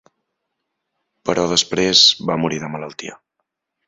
Però després va morir de malaltia.